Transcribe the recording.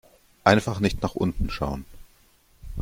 Einfach nicht nach unten schauen.